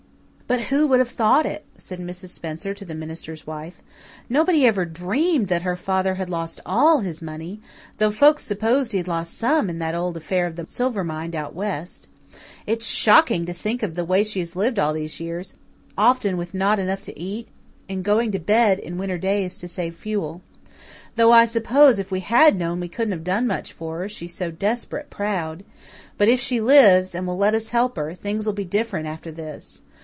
"But who would have thought it?" said Mrs. Spencer to the minister's wife. "Nobody ever dreamed that her father had lost ALL his money, though folks supposed he had lost some in that old affair of the silver mine out west. It's shocking to think of the way she has lived all these years, often with not enough to eat and going to bed in winter days to save fuel. Though I suppose if we had known we couldn't have done much for her, she's so desperate proud. But if she lives, and will let us help her, things will be different after this.